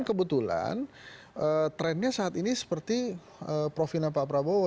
kebetulan trennya saat ini seperti profilnya pak prabowo